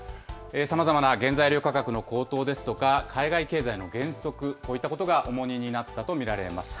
さまざまな原材料価格の高騰ですとか、海外経済の減速、こういったことが重荷になったと見られます。